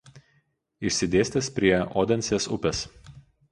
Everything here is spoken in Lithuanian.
Išsidėstęs prie Odensės upės.